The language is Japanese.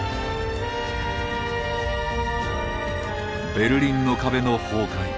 ベルリンの壁の崩壊